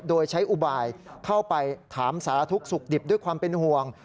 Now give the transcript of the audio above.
โดยใช้อุบายเข้าไปถามสารทุกข์สุขดิบด้วยความเป็นห่วง